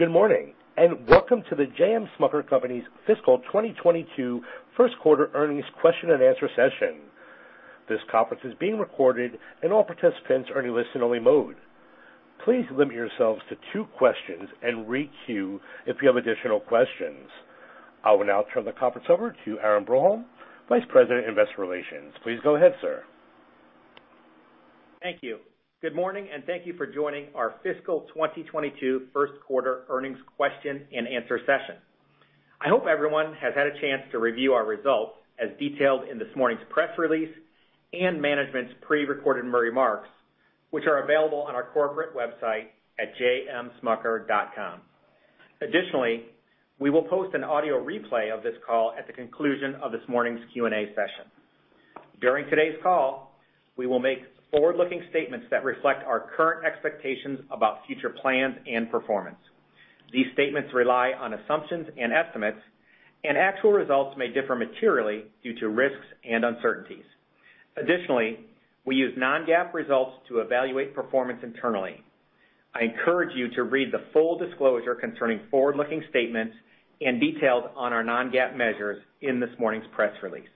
Good morning, welcome to The J. M. Smucker Company's fiscal 2022 first quarter earnings question-and-answer session. This conference is being recorded, and all participants are in listen only mode. Please limit yourselves to two questions and re-queue if you have additional questions. I will now turn the conference over to Aaron Broholm, Vice President, Investor Relations. Please go ahead, sir. Thank you. Good morning, and thank you for joining our fiscal 2022 first quarter earnings question-and-answer session. I hope everyone has had a chance to review our results as detailed in this morning's press release and management's pre-recorded remarks, which are available on our corporate website at jmsmucker.com. Additionally, we will post an audio replay of this call at the conclusion of this morning's Q&A session. During today's call, we will make forward-looking statements that reflect our current expectations about future plans and performance. These statements rely on assumptions and estimates, and actual results may differ materially due to risks and uncertainties. Additionally, we use non-GAAP results to evaluate performance internally. I encourage you to read the full disclosure concerning forward-looking statements and details on our non-GAAP measures in this morning's press release.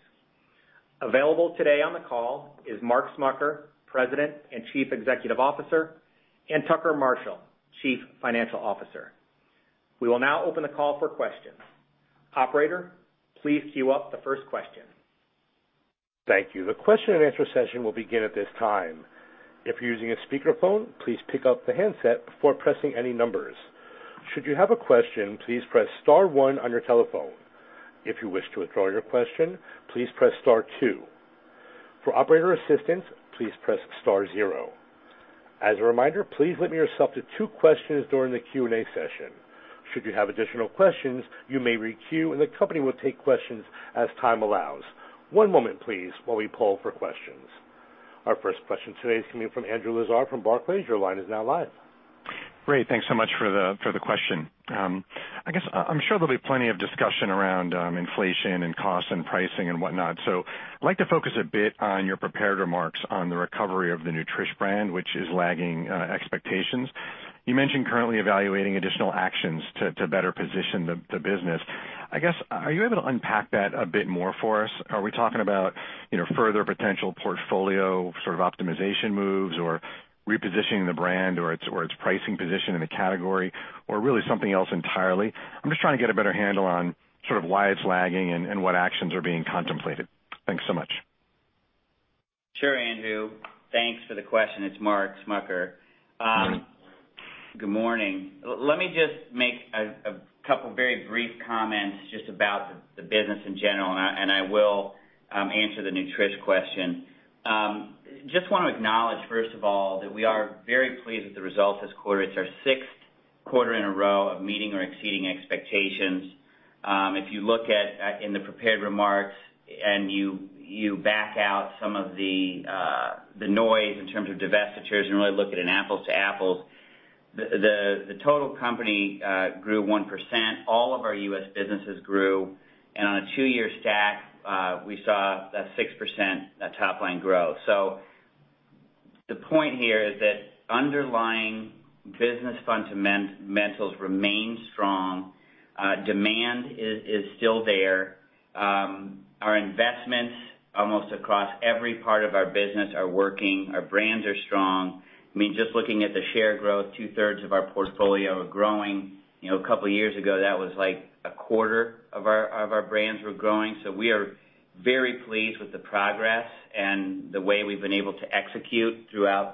Available today on the call is Mark Smucker, President and Chief Executive Officer, and Tucker Marshall, Chief Financial Officer. We will now open the call for questions. Operator, please queue up the first question. Thank you. The question-and-answer session will begin at this time. If you're using a speakerphone, please pick up the handset before pressing any numbers. Should you have a question, please press star one on your telephone. If you wish to withdraw your question, please press star two. For operator assistance, please press star zero. As a reminder, please limit yourself to two questions during the Q&A session. Should you have additional questions, you may re-queue, and the company will take questions as time allows. One moment, please, while we poll for questions. Our first question today is coming from Andrew Lazar from Barclays. Your line is now live. Great. Thanks so much for the question. I guess, I'm sure there'll be plenty of discussion around inflation and cost and pricing and whatnot. I'd like to focus a bit on your prepared remarks on the recovery of the Nutrish brand, which is lagging expectations. You mentioned currently evaluating additional actions to better position the business. I guess, are you able to unpack that a bit more for us? Are we talking about further potential portfolio optimization moves or repositioning the brand or its pricing position in the category, or really something else entirely? I'm just trying to get a better handle on why it's lagging and what actions are being contemplated. Thanks so much. Sure, Andrew. Thanks for the question. It's Mark Smucker. Good morning. Good morning. Let me just make a couple of very brief comments just about the business in general, and I will answer the Nutrish question. Just want to acknowledge, first of all, that we are very pleased with the results this quarter. It's our sixth quarter in a row of meeting or exceeding expectations. If you look at in the prepared remarks and you back out some of the noise in terms of divestitures and really look at an apples to apples, the total company grew 1%, all of our U.S. businesses grew, and on a two-year stack, we saw that 6% top line growth. The point here is that underlying business fundamentals remain strong. Demand is still there. Our investments almost across every part of our business are working. Our brands are strong. Just looking at the share growth, 2/3 of our portfolio are growing. A couple of years ago, that was like a quarter of our brands were growing. We are very pleased with the progress and the way we've been able to execute throughout,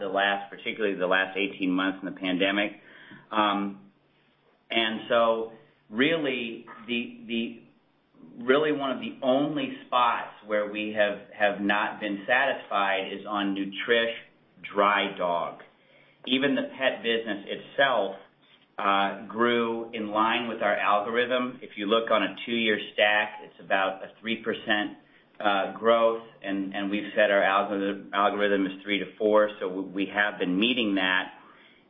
particularly the last 18 months in the pandemic. Really one of the only spots where we have not been satisfied is on Nutrish dry dog. Even the pet business itself grew in line with our algorithm. If you look on a two-year stack, it's about a 3% growth, we've said our algorithm is 3%-4%, we have been meeting that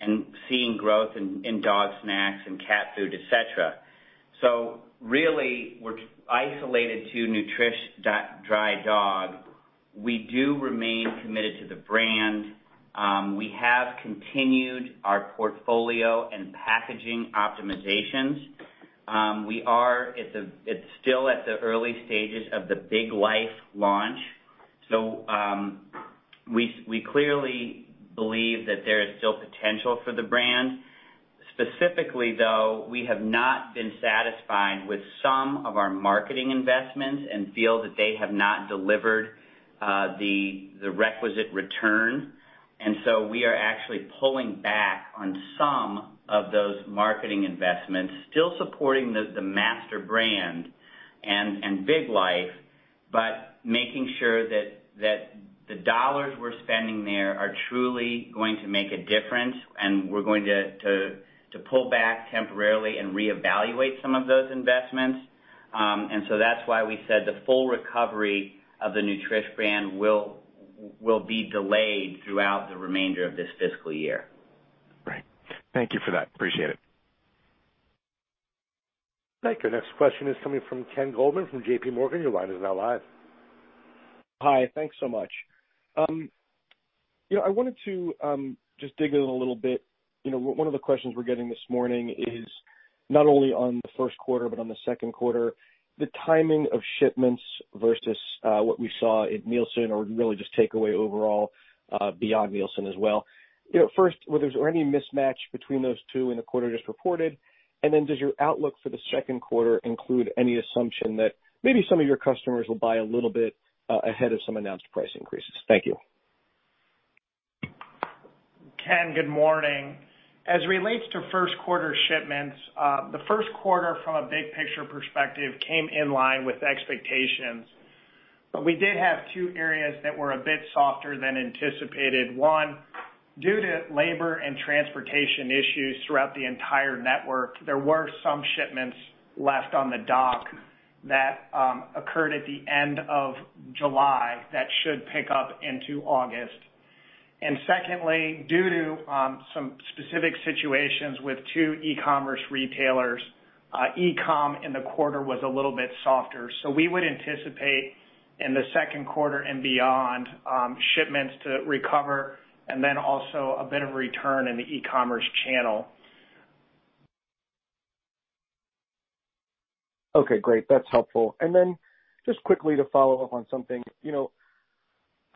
and seeing growth in dog snacks and cat food, et cetera. Really we're isolated to Nutrish dry dog. We do remain committed to the brand. We have continued our portfolio and packaging optimizations. It's still at the early stages of the Big Life launch, so we clearly believe that there is still potential for the brand. Specifically, though, we have not been satisfied with some of our marketing investments and feel that they have not delivered the requisite return. We are actually pulling back on some of those marketing investments, still supporting the master brand and Big Life, but making sure that the dollars we're spending there are truly going to make a difference, and we're going to pull back temporarily and reevaluate some of those investments. That's why we said the full recovery of the Nutrish brand will be delayed throughout the remainder of this fiscal year. Right. Thank you for that. Appreciate it. Thank you. Next question is coming from Ken Goldman from JPMorgan. Your line is now live. Hi. Thanks so much. I wanted to just dig in a little bit. One of the questions we're getting this morning is not only on the first quarter, but on the second quarter, the timing of shipments versus what we saw at Nielsen or really just takeaway overall, beyond Nielsen as well. First, was there any mismatch between those two in the quarter just reported? Then does your outlook for the second quarter include any assumption that maybe some of your customers will buy a little bit ahead of some announced price increases? Thank you. Ken, good morning. As it relates to first quarter shipments, the first quarter from a big picture perspective came in line with expectations. We did have two areas that were a bit softer than anticipated. One, due to labor and transportation issues throughout the entire network, there were some shipments left on the dock that occurred at the end of July, that should pick up into August. Secondly, due to some specific situations with two e-commerce retailers, e-com in the quarter was a little bit softer. We would anticipate in the second quarter and beyond, shipments to recover and then also a bit of a return in the e-commerce channel. Okay, great. That's helpful. Just quickly to follow-up on something.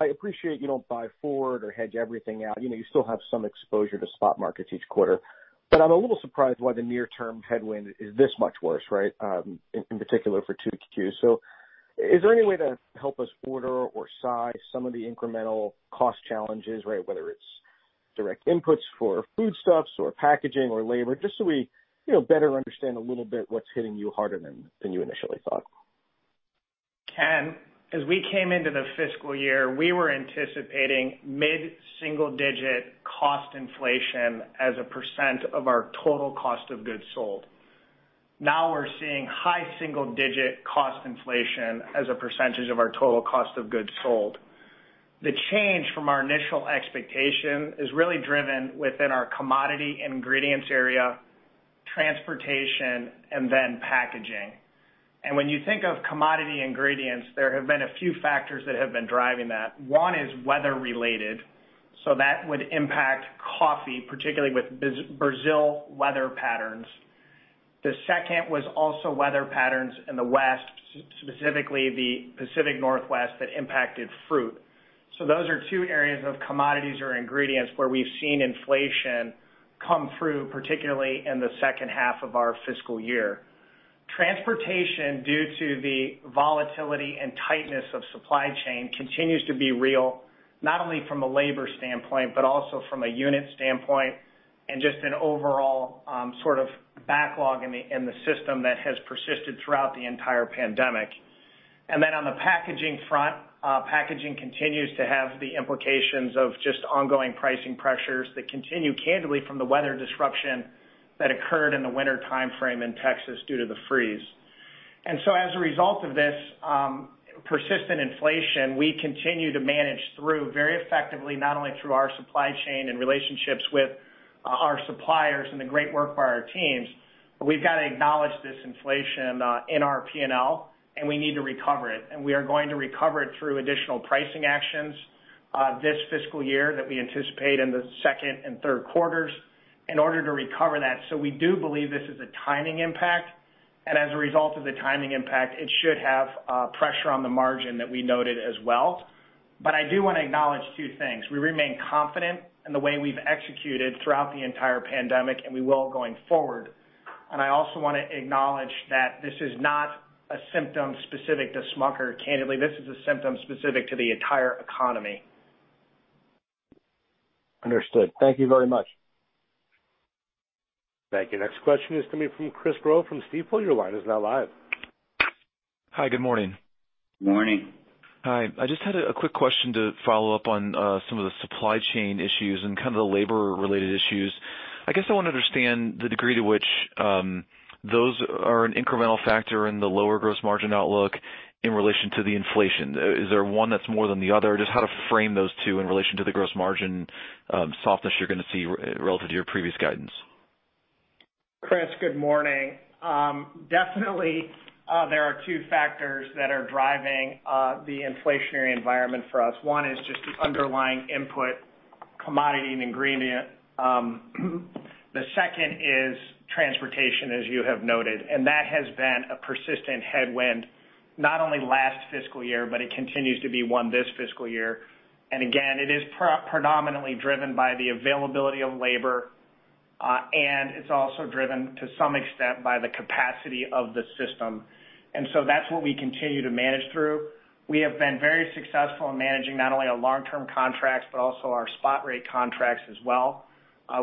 I appreciate you don't buy forward or hedge everything out. You still have some exposure to spot markets each quarter, but I'm a little surprised why the near-term headwind is this much worse, right? In particular for 2Q. Is there any way to help us order or size some of the incremental cost challenges, right? Whether it's direct inputs for foodstuffs or packaging or labor, just so we better understand a little bit what's hitting you harder than you initially thought. Ken, as we came into the fiscal year, we were anticipating mid-single-digit cost inflation as a percent of our total cost of goods sold. Now we're seeing high single digit cost inflation as a percentage of our total cost of goods sold. The change from our initial expectation is really driven within our commodity ingredients area, transportation, and then packaging. When you think of commodity ingredients, there have been a few factors that have been driving that. One is weather related, so that would impact coffee, particularly with Brazil weather patterns. The second was also weather patterns in the West, specifically the Pacific Northwest, that impacted fruit. Those are two areas of commodities or ingredients where we've seen inflation come through, particularly in the second half of our fiscal year. Transportation, due to the volatility and tightness of supply chain continues to be real, not only from a labor standpoint, but also from a unit standpoint and just an overall sort of backlog in the system that has persisted throughout the entire pandemic. On the packaging front, packaging continues to have the implications of just ongoing pricing pressures that continue candidly from the weather disruption that occurred in the winter timeframe in Texas due to the freeze. As a result of this persistent inflation, we continue to manage through very effectively, not only through our supply chain and relationships with our suppliers and the great work by our teams, but we've got to acknowledge this inflation in our P&L and we need to recover it. We are going to recover it through additional pricing actions this fiscal year that we anticipate in the second and third quarters in order to recover that. We do believe this is a timing impact and as a result of the timing impact, it should have pressure on the margin that we noted as well. I do want to acknowledge two things. We remain confident in the way we've executed throughout the entire pandemic, and we will going forward. I also want to acknowledge that this is not a symptom specific to Smucker. Candidly, this is a symptom specific to the entire economy. Understood. Thank you very much. Thank you. Next question is coming from Chris Growe from Stifel. Your line is now live. Hi. Good morning. Morning. Hi. I just had a quick question to follow-up on some of the supply chain issues and kind of the labor related issues. I guess I want to understand the degree to which those are an incremental factor in the lower gross margin outlook in relation to the inflation? Is there one that's more than the other? Just how to frame those two in relation to the gross margin softness you're going to see relative to your previous guidance? Chris, good morning. Definitely, there are two factors that are driving the inflationary environment for us. One is just the underlying input commodity and ingredient. The second is transportation, as you have noted, and that has been a persistent headwind, not only last fiscal year, but it continues to be one this fiscal year. Again, it is predominantly driven by the availability of labor. It's also driven to some extent by the capacity of the system. So that's what we continue to manage through. We have been very successful in managing not only our long-term contracts, but also our spot rate contracts as well.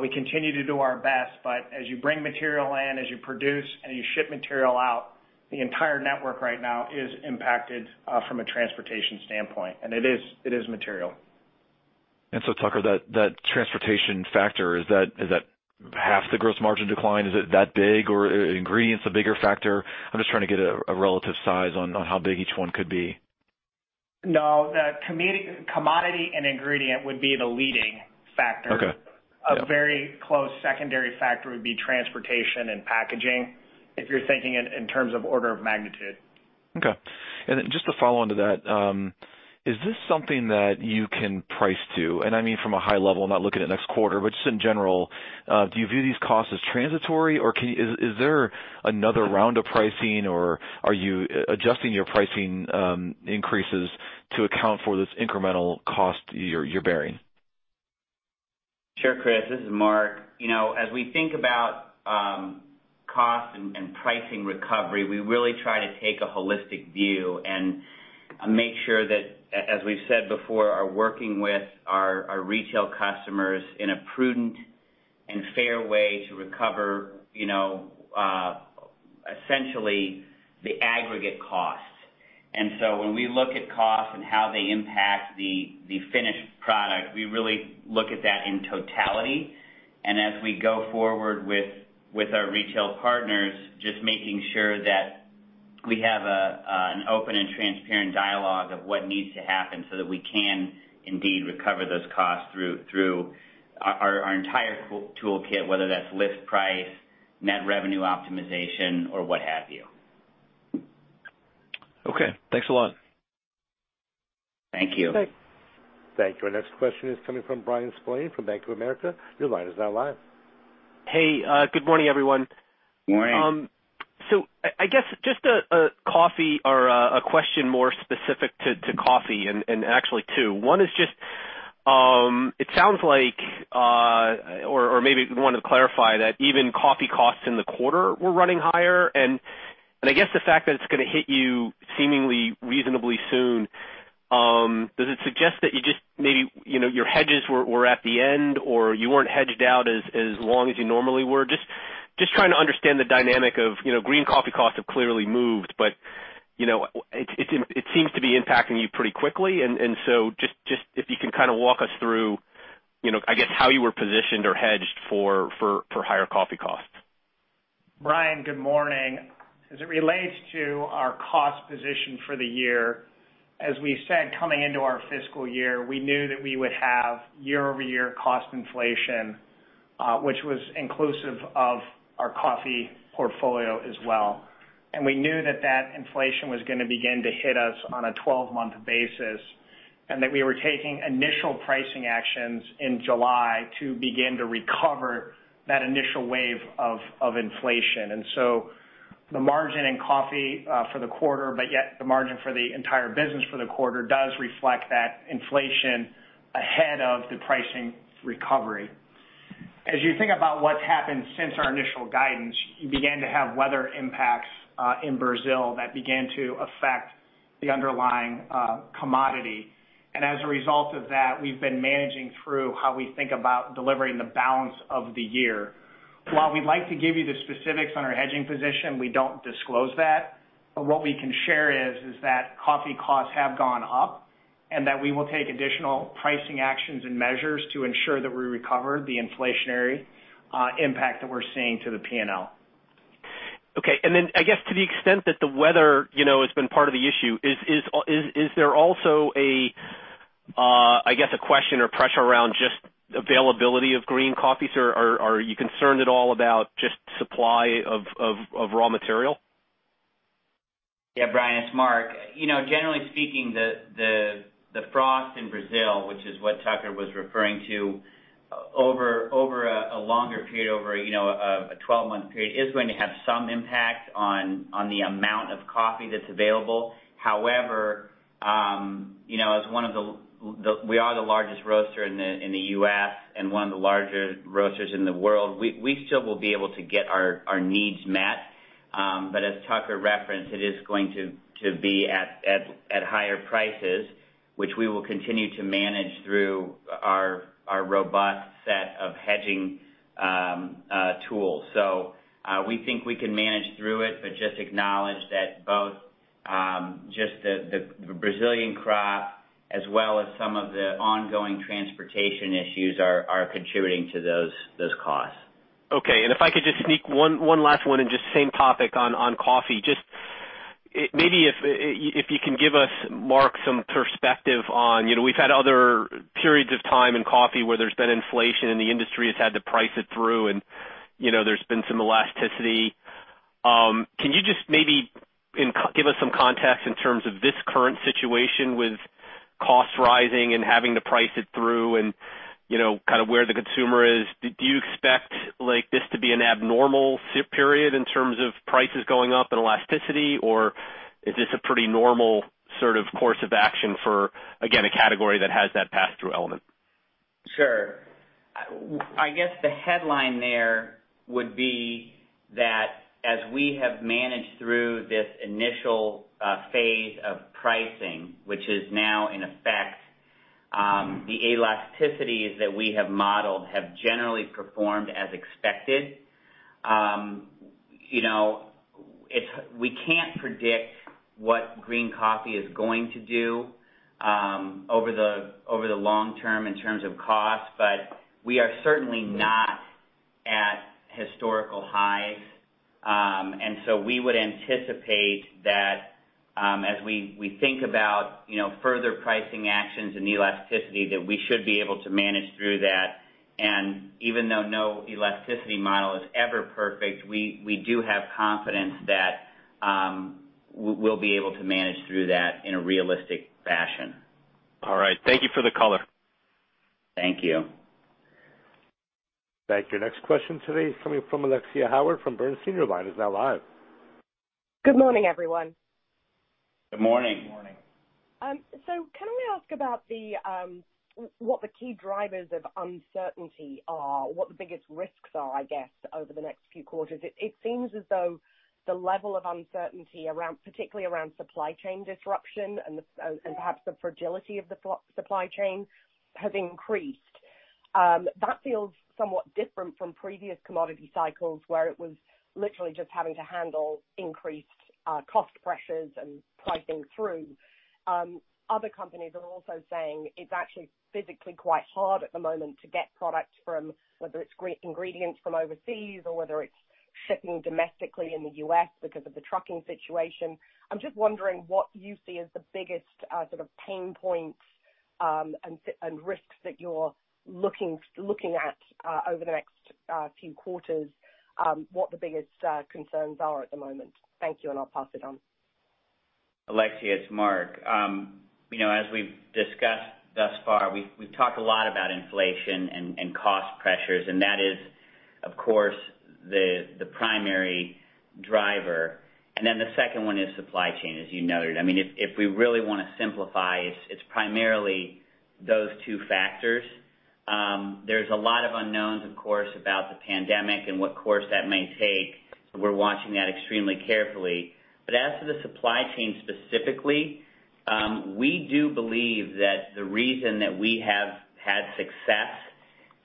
We continue to do our best, but as you bring material in, as you produce and you ship material out, the entire network right now is impacted from a transportation standpoint. It is material. Mr. Tucker, that transportation factor, is that half the gross margin decline? Is it that big or is ingredients a bigger factor? I'm just trying to get a relative size on how big each one could be. No, the commodity and ingredient would be the leading factor. Okay. Yeah. A very close secondary factor would be transportation and packaging, if you're thinking it in terms of order of magnitude. Okay. Just to follow onto that, is this something that you can price to? I mean from a high level, I'm not looking at next quarter, but just in general, do you view these costs as transitory, or is there another round of pricing, or are you adjusting your pricing increases to account for this incremental cost you're bearing? Sure, Chris, this is Mark. As we think about costs and pricing recovery, we really try to take a holistic view and make sure that, as we've said before, are working with our retail customers in a prudent and fair way to recover, essentially, the aggregate costs. When we look at costs and how they impact the finished product, we really look at that in totality. As we go forward with our retail partners, just making sure that we have an open and transparent dialogue of what needs to happen so that we can indeed recover those costs through our entire toolkit, whether that's list price, net revenue optimization or what have you. Okay. Thanks a lot. Thank you. Thanks. Thank you. Our next question is coming from Bryan Spillane from Bank of America. Your line is now live. Hey, good morning, everyone. Morning. I guess a question more specific to coffee and actually two. One is, it sounds like, or maybe want to clarify that even coffee costs in the quarter were running higher, and I guess the fact that it's going to hit you seemingly reasonably soon, does it suggest that you maybe your hedges were at the end, or you weren't hedged out as long as you normally were? Just trying to understand the dynamic of green coffee costs have clearly moved, but it seems to be impacting you pretty quickly. If you can kind of walk us through, I guess, how you were positioned or hedged for higher coffee costs. Bryan, good morning. As it relates to our cost position for the year, as we said, coming into our fiscal year, we knew that we would have year-over-year cost inflation, which was inclusive of our coffee portfolio as well. We knew that that inflation was gonna begin to hit us on a 12-month basis, and that we were taking initial pricing actions in July to begin to recover that initial wave of inflation. The margin in coffee for the quarter, but yet the margin for the entire business for the quarter does reflect that inflation ahead of the pricing recovery. As you think about what's happened since our initial guidance, you began to have weather impacts in Brazil that began to affect the underlying commodity. As a result of that, we've been managing through how we think about delivering the balance of the year. While we'd like to give you the specifics on our hedging position, we don't disclose that. What we can share is that coffee costs have gone up, and that we will take additional pricing actions and measures to ensure that we recover the inflationary impact that we're seeing to the P&L. Okay. I guess to the extent that the weather has been part of the issue is there also, I guess, a question or pressure around just availability of green coffees, or are you concerned at all about just supply of raw material? Yeah, Bryan, it's Mark. Generally speaking, the frost in Brazil, which is what Tucker was referring to over a longer period, over a 12-month period, is going to have some impact on the amount of coffee that's available. As we are the largest roaster in the U.S. and one of the larger roasters in the world, we still will be able to get our needs met. As Tucker referenced, it is going to be at higher prices, which we will continue to manage through our robust set of hedging tools. We think we can manage through it, but just acknowledge that both just the Brazilian crop as well as some of the ongoing transportation issues are contributing to those costs. Okay. If I could just sneak one last one and just same topic on coffee, just maybe if you can give us, Mark, some perspective on, we've had other periods of time in coffee where there's been inflation and the industry has had to price it through and there's been some elasticity. Can you just maybe give us some context in terms of this current situation with costs rising and having to price it through and kind of where the consumer is? Do you expect this to be an abnormal period in terms of prices going up and elasticity, or is this a pretty normal sort of course of action for, again, a category that has that pass-through element? Sure. I guess the headline there would be that as we have managed through this initial phase of pricing, which is now in effect, the elasticities that we have modeled have generally performed as expected. We can't predict what green coffee is going to do over the long-term in terms of cost. We are certainly not at historical highs. We would anticipate that as we think about further pricing actions and elasticity, that we should be able to manage through that. Even though no elasticity model is ever perfect, we do have confidence that we'll be able to manage through that in a realistic fashion. All right. Thank you for the color. Thank you. Thank you. Next question today is coming from Alexia Howard from Bernstein. Your line is now live. Good morning, everyone. Good morning. Good morning. Can we ask about what the key drivers of uncertainty are, what the biggest risks are, I guess, over the next few quarters? It seems as though the level of uncertainty, particularly around supply chain disruption and perhaps the fragility of the supply chain, has increased. That feels somewhat different from previous commodity cycles, where it was literally just having to handle increased cost pressures and pricing through. Other companies are also saying it's actually physically quite hard at the moment to get products from, whether it's ingredients from overseas or whether it's shipping domestically in the U.S. because of the trucking situation. I'm just wondering what you see as the biggest sort of pain points and risks that you're looking at over the next few quarters, what the biggest concerns are at the moment. Thank you, and I'll pass it on. Alexia, it's Mark. As we've discussed thus far, we've talked a lot about inflation and cost pressures, and that is, of course, the primary driver. Then the second one is supply chain, as you noted. If we really want to simplify, it's primarily those two factors. There's a lot of unknowns, of course, about the pandemic and what course that may take. We're watching that extremely carefully. As to the supply chain specifically, we do believe that the reason that we have had success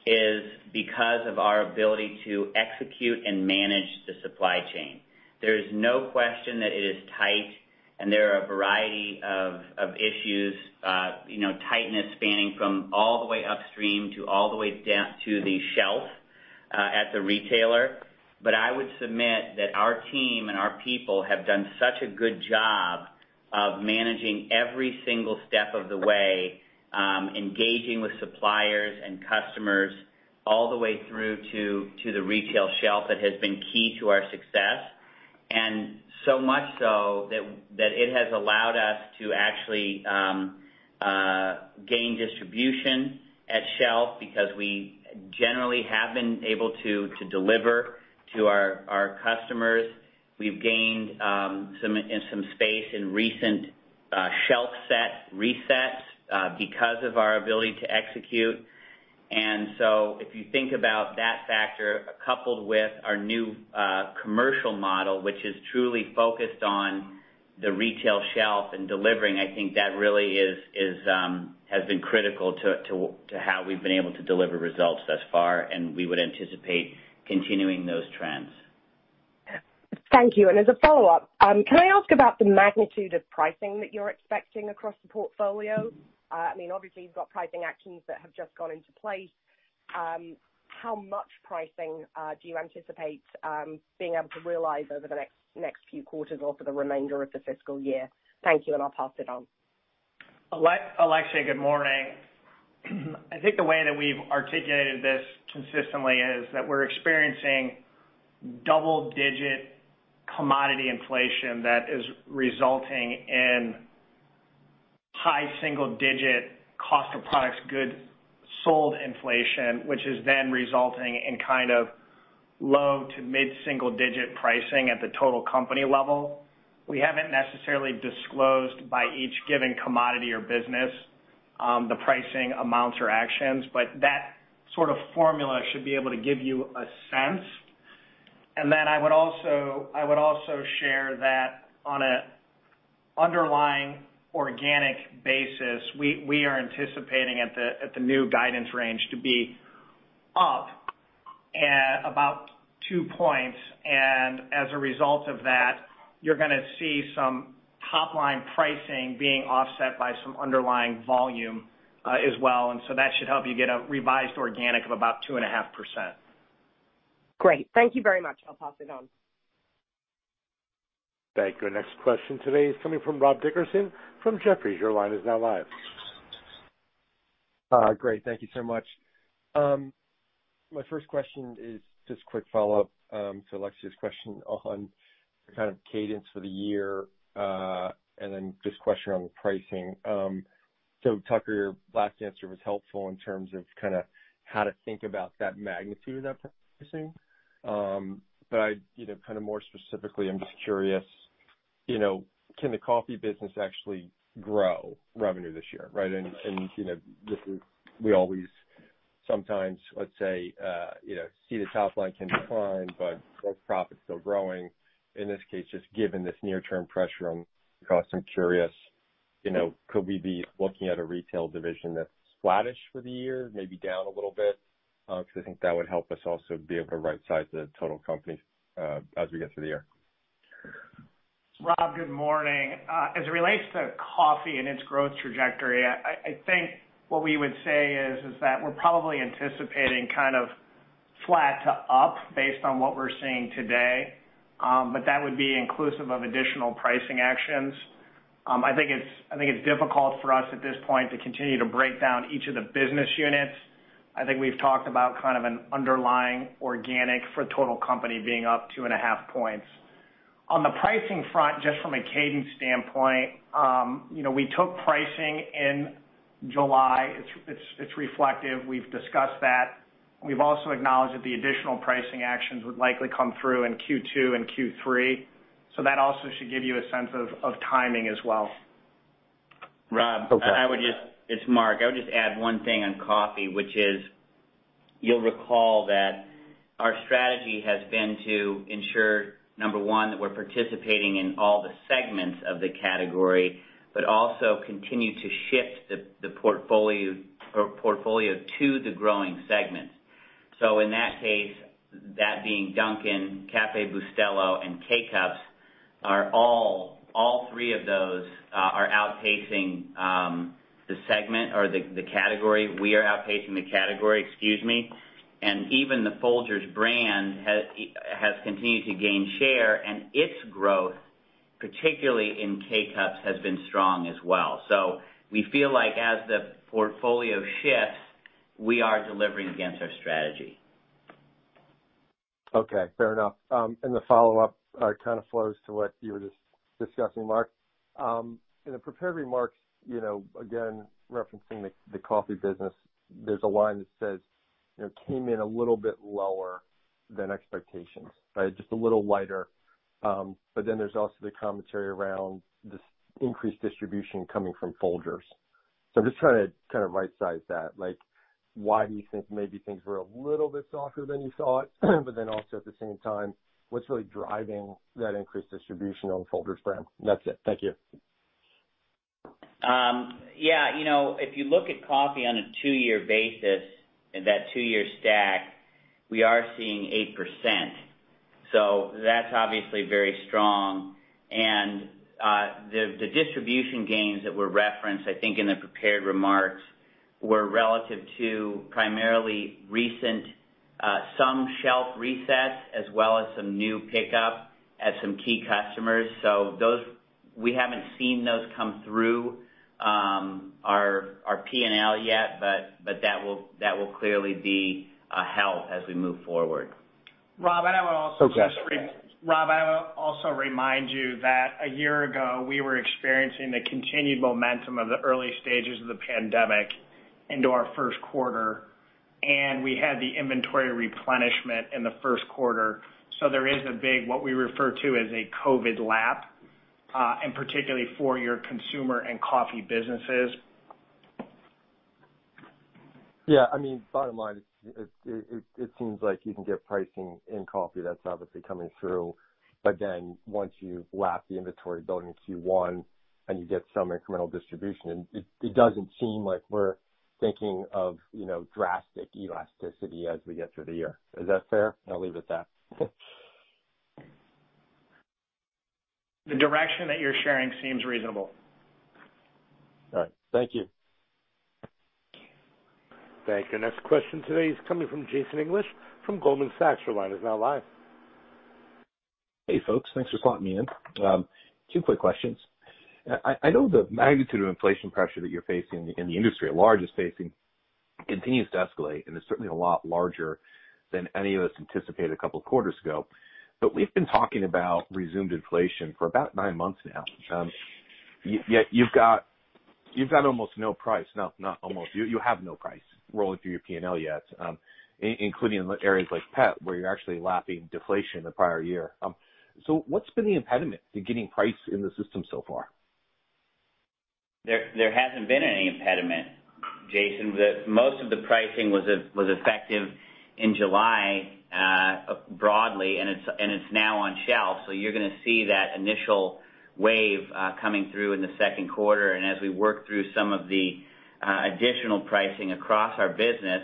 is because of our ability to execute and manage the supply chain. There is no question that it is tight and there are a variety of issues, tightness spanning from all the way upstream to all the way down to the shelf at the retailer. I would submit that our team and our people have done such a good job of managing every single step of the way, engaging with suppliers and customers all the way through to the retail shelf. That has been key to our success, and so much so that it has allowed us to actually gain distribution at shelf because we generally have been able to deliver to our customers. We've gained some space in recent shelf set resets because of our ability to execute. If you think about that factor coupled with our new commercial model, which is truly focused on the retail shelf and delivering, I think that really has been critical to how we've been able to deliver results thus far, and we would anticipate continuing those trends. Thank you. As a follow-up, can I ask about the magnitude of pricing that you're expecting across the portfolio? Obviously, you've got pricing actions that have just gone into place. How much pricing do you anticipate being able to realize over the next few quarters or for the remainder of the fiscal year? Thank you, and I'll pass it on. Alexia, good morning. I think the way that we've articulated this consistently is that we're experiencing double-digit commodity inflation that is resulting in high single-digit cost of products, goods sold inflation, which is then resulting in kind of low to mid-single digit pricing at the total company level. That sort of formula should be able to give you a sense. I would also share that on an underlying organic basis, we are anticipating at the new guidance range to be up about 2 points. As a result of that, you're going to see some top-line pricing being offset by some underlying volume as well. That should help you get a revised organic of about 2.5%. Great. Thank you very much. I'll pass it on. Thank you. Next question today is coming from Rob Dickerson from Jefferies. Your line is now live. Great. Thank you so much. My first question is just a quick follow-up to Alexia's question on the kind of cadence for the year, and then just a question on the pricing. Tucker, your last answer was helpful in terms of how to think about that magnitude of pricing. More specifically, I'm just curious, can the coffee business actually grow revenue this year? Right? We always sometimes, let's say see the top line can decline, but gross profit's still growing. In this case, just given this near-term pressure on costs, I'm curious, could we be looking at a retail division that's flattish for the year, maybe down a little bit? I think that would help us also be able to right-size the total company as we get through the year. Rob, good morning. As it relates to coffee and its growth trajectory, I think what we would say is that we're probably anticipating kind of flat to up based on what we're seeing today, but that would be inclusive of additional pricing actions. I think it's difficult for us at this point to continue to break down each of the business units. I think we've talked about kind of an underlying organic for the total company being up 2.5 points. On the pricing front, just from a cadence standpoint, we took pricing in July. It's reflective. We've discussed that. We've also acknowledged that the additional pricing actions would likely come through in Q2 and Q3. That also should give you a sense of timing as well. Rob, it's Mark. I would just add one thing on coffee, which is, you'll recall that our strategy has been to ensure, number one, that we're participating in all the segments of the category, but also continue to shift the portfolio to the growing segments. In that case, that being Dunkin', Café Bustelo, and K-Cups, all three of those are outpacing the segment or the category. We are outpacing the category, excuse me. Even the Folgers brand has continued to gain share, and its growth, particularly in K-Cups, has been strong as well. We feel like as the portfolio shifts, we are delivering against our strategy. Okay. Fair enough. The follow-up kind of flows to what you were just discussing, Mark. In the prepared remarks, again, referencing the coffee business, there's a line that says, Came in a little bit lower than expectations. Just a little lighter. There's also the commentary around this increased distribution coming from Folgers. I'm just trying to kind of right-size that. Why do you think maybe things were a little bit softer than you thought? At the same time, what's really driving that increased distribution on the Folgers brand? That's it. Thank you. Yeah. If you look at coffee on a two-year basis, that two-year stack, we are seeing 8%. That's obviously very strong. The distribution gains that were referenced, I think, in the prepared remarks, were relative to primarily recent, some shelf resets, as well as some new pickup at some key customers. We haven't seen those come through our P&L yet, but that will clearly be a help as we move forward. Rob, Okay Rob, I would also remind you that a year ago, we were experiencing the continued momentum of the early stages of the pandemic into our first quarter, and we had the inventory replenishment in the first quarter. There is a big, what we refer to as a COVID lap, and particularly for your consumer and coffee businesses. I mean, bottom line, it seems like you can get pricing in coffee that's obviously coming through. Once you lap the inventory build in Q1 and you get some incremental distribution, it doesn't seem like we're thinking of drastic elasticity as we get through the year. Is that fair? I'll leave it at that. The direction that you're sharing seems reasonable. All right. Thank you. Thank you. Next question today is coming from Jason English from Goldman Sachs. Your line is now live. Hey, folks. Thanks for slotting me in. Two quick questions. I know the magnitude of inflation pressure that you're facing, and the industry at large is facing, continues to escalate, and it's certainly a lot larger than any of us anticipated a couple of quarters ago. We've been talking about resumed inflation for about nine months now. You've got almost no price. No, not almost. You have no price rolling through your P&L yet, including in areas like pet, where you're actually lapping deflation the prior year. What's been the impediment to getting price in the system so far? There hasn't been any impediment, Jason. Most of the pricing was effective in July broadly, and it's now on shelf. You're going to see that initial wave coming through in the second quarter. As we work through some of the additional pricing across our business,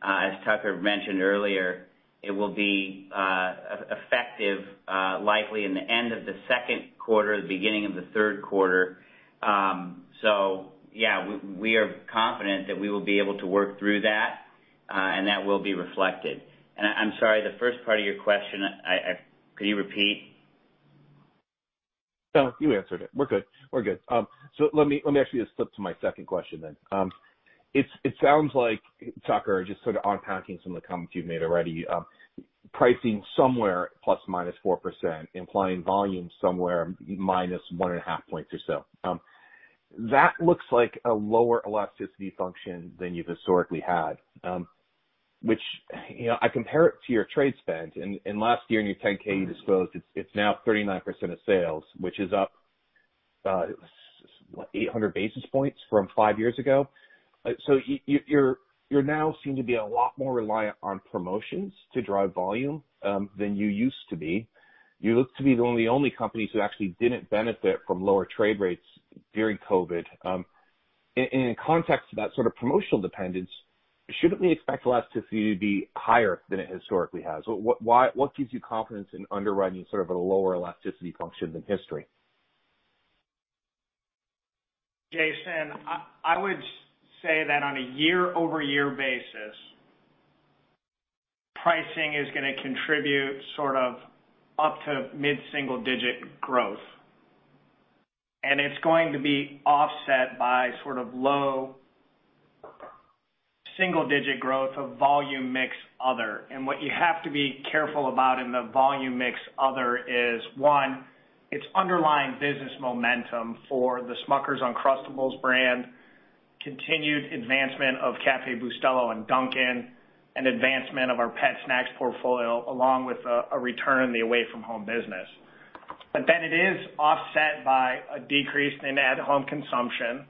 as Tucker mentioned earlier, it will be effective likely in the end of the second quarter or the beginning of the third quarter. Yeah, we are confident that we will be able to work through that, and that will be reflected. I'm sorry, the first part of your question, could you repeat? No, you answered it. We're good. We're good. Let me actually just flip to my second question then. It sounds like, Tucker, just sort of unpacking some of the comments you've made already, pricing somewhere ±4%, implying volume somewhere -1.5 points or so. That looks like a lower elasticity function than you've historically had, which I compare it to your trade spend. Last year in your 10-K, you disclosed it's now 39% of sales, which is up 800 basis points from five years ago. You now seem to be a lot more reliant on promotions to drive volume than you used to be. You look to be one of the only companies who actually didn't benefit from lower trade rates during COVID. In context to that sort of promotional dependence, shouldn't we expect elasticity to be higher than it historically has? What gives you confidence in underwriting sort of a lower elasticity function than history? Jason, I would say that on a year-over-year basis, pricing is going to contribute sort of up to mid-single digit growth, it's going to be offset by sort of low single-digit growth of volume mix other. What you have to be careful about in the volume mix other is one, it's underlying business momentum for the Smucker's Uncrustables brand, continued advancement of Café Bustelo and Dunkin', and advancement of our pet snacks portfolio, along with a return in the away-from-home business. It is offset by a decrease in at-home consumption.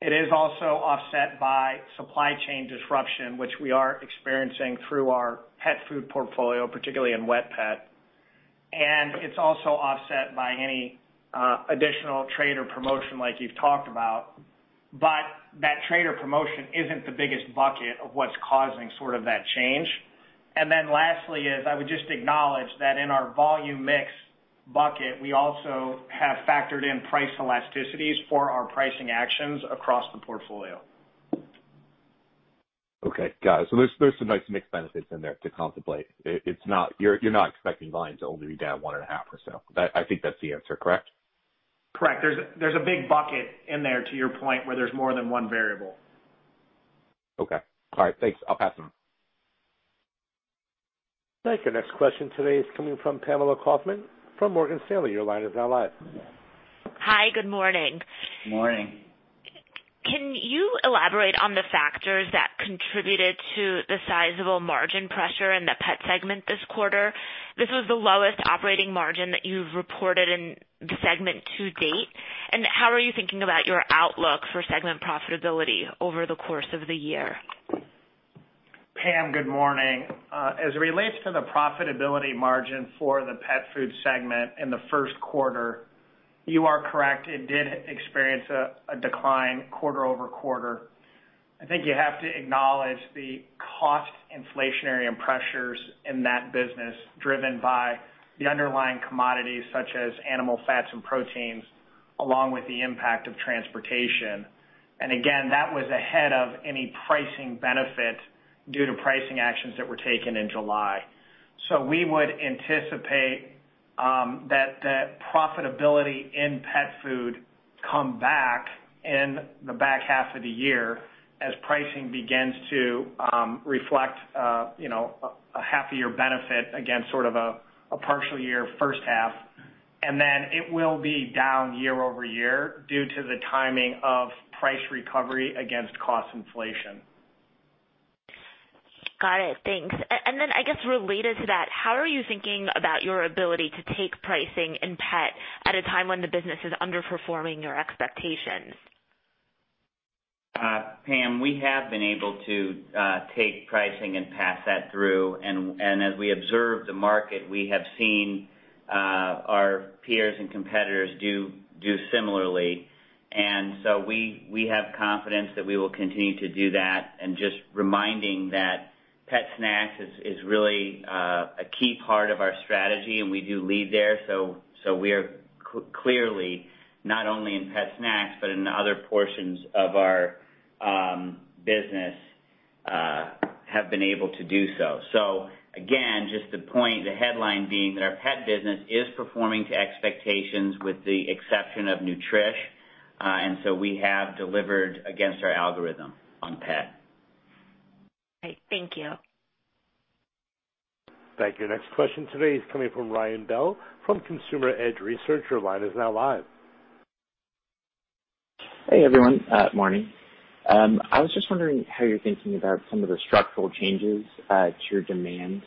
It is also offset by supply chain disruption, which we are experiencing through our pet food portfolio, particularly in wet pet. It's also offset by any additional trade or promotion like you've talked about. That trade or promotion isn't the biggest bucket of what's causing sort of that change. Lastly is, I would just acknowledge that in our volume mix bucket, we also have factored in price elasticities for our pricing actions across the portfolio. Okay, got it. There's some nice mixed benefits in there to contemplate. You're not expecting line to only be down one and a half or so. I think that's the answer, correct? Correct. There's a big bucket in there, to your point, where there's more than one variable. Okay. All right, thanks. I'll pass them on. Thank you. Next question today is coming from Pamela Kaufman from Morgan Stanley. Your line is now live. Hi. Good morning. Morning. Can you elaborate on the factors that contributed to the sizable margin pressure in the pet segment this quarter? This was the lowest operating margin that you've reported in the segment to date. How are you thinking about your outlook for segment profitability over the course of the year? Pam, good morning. As it relates to the profitability margin for the pet food segment in the first quarter, you are correct, it did experience a decline quarter-over-quarter. I think you have to acknowledge the cost inflationary and pressures in that business driven by the underlying commodities such as animal fats and proteins, along with the impact of transportation. Again, that was ahead of any pricing benefit due to pricing actions that were taken in July. We would anticipate that profitability in pet food come back in the back half of the year as pricing begins to reflect a half a year benefit against sort of a partial year first half, and then it will be down year-over-year due to the timing of price recovery against cost inflation. Got it. Thanks. I guess related to that, how are you thinking about your ability to take pricing in pet at a time when the business is underperforming your expectations? Pam, we have been able to take pricing and pass that through, and as we observe the market, we have seen our peers and competitors do similarly. We have confidence that we will continue to do that. Just reminding that pet snacks is really a key part of our strategy, and we do lead there, so we are clearly not only in pet snacks, but in other portions of our business have been able to do so. Again, just to point the headline being that our pet business is performing to expectations with the exception of Nutrish, and so we have delivered against our algorithm on pet. Great. Thank you. Thank you. Next question today is coming from Ryan Bell from Consumer Edge Research. Your line is now live. Hey, everyone. Morning. I was just wondering how you're thinking about some of the structural changes to your demand,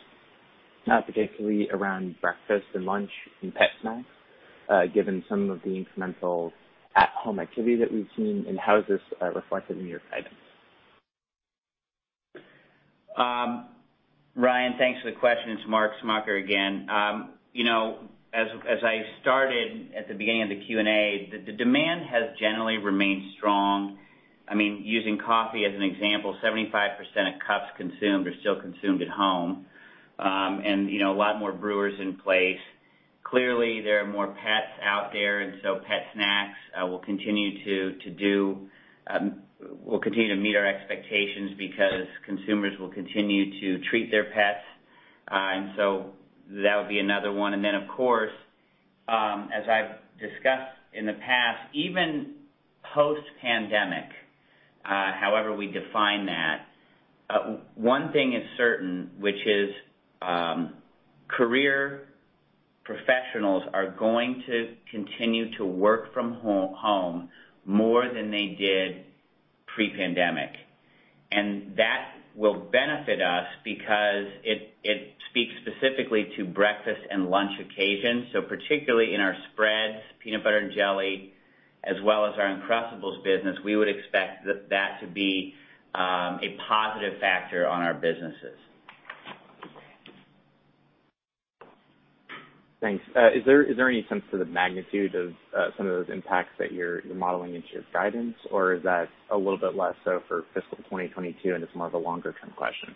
particularly around breakfast and lunch and pet snacks, given some of the incremental at-home activity that we've seen, how is this reflected in your guidance? Ryan, thanks for the question. It's Mark Smucker again. As I started at the beginning of the Q&A, the demand has generally remained strong. Using coffee as an example, 75% of cups consumed are still consumed at home, and a lot more brewers in place. Clearly, there are more pets out there, and so pet snacks will continue to meet our expectations because consumers will continue to treat their pets, and so that would be another one. Of course, as I've discussed in the past, even post-pandemic, however we define that, one thing is certain, which is career professionals are going to continue to work from home more than they did pre-pandemic. That will benefit us because it speaks specifically to breakfast and lunch occasions. Particularly in our spreads, peanut butter and jelly, as well as our Uncrustables business, we would expect that to be a positive factor on our businesses. Thanks. Is there any sense to the magnitude of some of those impacts that you're modeling into your guidance? Or is that a little bit less so for fiscal 2022, and it's more of a longer-term question?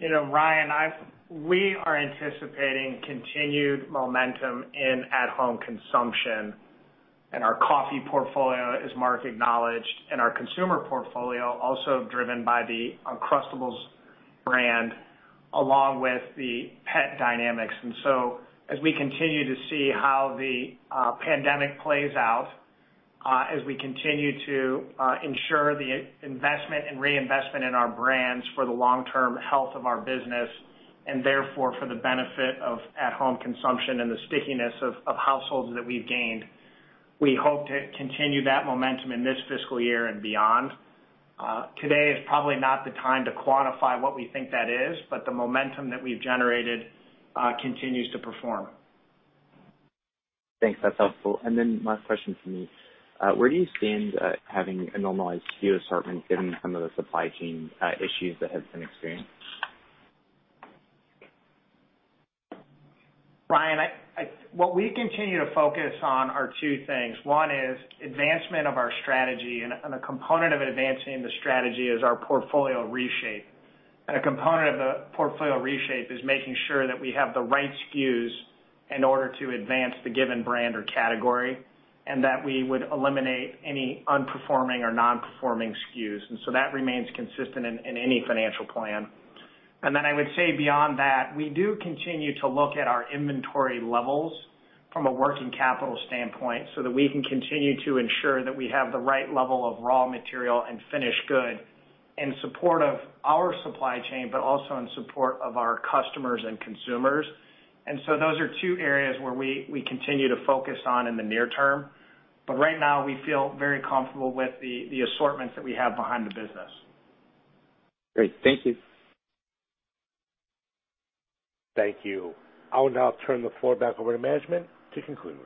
Ryan, we are anticipating continued momentum in at-home consumption, and our coffee portfolio, as Mark acknowledged, and our consumer portfolio also driven by the Uncrustables brand, along with the pet dynamics. As we continue to see how the pandemic plays out, as we continue to ensure the investment and reinvestment in our brands for the long-term health of our business, and therefore for the benefit of at-home consumption and the stickiness of households that we've gained, we hope to continue that momentum in this fiscal year and beyond. Today is probably not the time to quantify what we think that is, but the momentum that we've generated continues to perform. Thanks. That's helpful. Last question for me, where do you stand having a normalized SKU assortment given some of the supply chain issues that have been experienced? Ryan, what we continue to focus on are two things. One is advancement of our strategy, and a component of advancing the strategy is our portfolio reshape. A component of the portfolio reshape is making sure that we have the right SKUs in order to advance the given brand or category, and that we would eliminate any unperforming or non-performing SKUs. That remains consistent in any financial plan. I would say beyond that, we do continue to look at our inventory levels from a working capital standpoint, so that we can continue to ensure that we have the right level of raw material and finished good in support of our supply chain, but also in support of our customers and consumers. Those are two areas where we continue to focus on in the near-term. Right now, we feel very comfortable with the assortments that we have behind the business. Great. Thank you. Thank you. I will now turn the floor back over to management to conclude.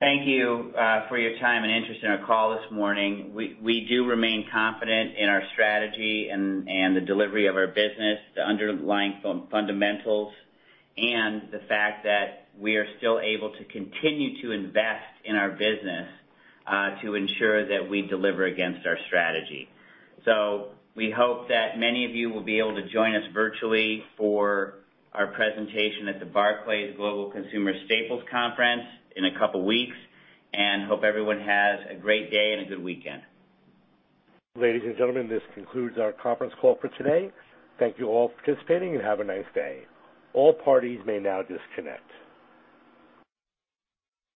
Thank you for your time and interest in our call this morning. We do remain confident in our strategy and the delivery of our business, the underlying fundamentals, and the fact that we are still able to continue to invest in our business to ensure that we deliver against our strategy. We hope that many of you will be able to join us virtually for our presentation at the Barclays Global Consumer Staples Conference in a couple weeks, and hope everyone has a great day and a good weekend. Ladies and gentlemen, this concludes our conference call for today. Thank you all for participating, and have a nice day. All parties may now disconnect.